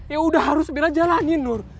yang udah harus bella jalani nur